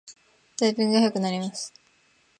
タイピングが早くなります